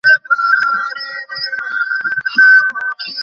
খবরের সাইটে আসল সত্যকে আড়াল করে ভুয়া তথ্য দিয়ে পাঠক টানা যাবে না।